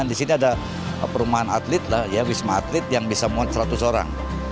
di sini ada perumahan atlet wisma atlet yang bisa memuat seratus orang